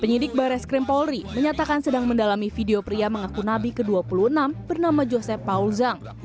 penyidik barres krimpolri menyatakan sedang mendalami video pria mengaku nabi ke dua puluh enam bernama joseph paul zhang